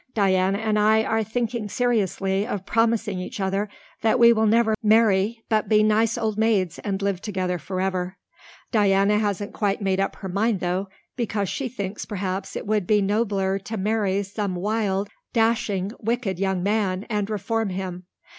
Diana and I are thinking seriously of promising each other that we will never marry but be nice old maids and live together forever. Diana hasn't quite made up her mind though, because she thinks perhaps it would be nobler to marry some wild, dashing, wicked young man and reform him.